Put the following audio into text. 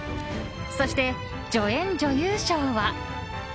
そして、助演女優賞は。